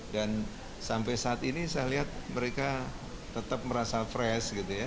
dan sampai saat ini saya lihat mereka tetap merasa fresh gitu ya